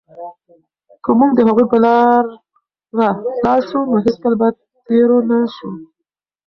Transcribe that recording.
که موږ د هغوی په لاره لاړ شو، نو هېڅکله به تېرو نه شو.